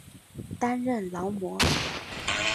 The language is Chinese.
担任劳模。